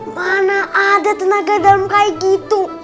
mana ada tenaga dalam kayak gitu